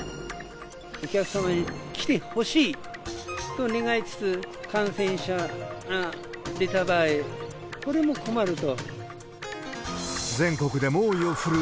お客様に来てほしいと願いつつ、感染者が出た場合、これも困ると。